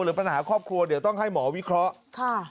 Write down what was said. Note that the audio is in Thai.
หรือปัญหาครอบครัวเดี๋ยวต้องให้หมอวิเคราะห์ค่ะ